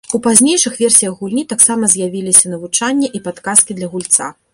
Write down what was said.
У пазнейшых версіях гульні таксама з'явіліся навучанне і падказкі для гульца.